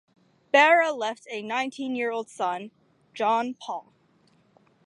Behra left a nineteen-year-old son, Jean Paul.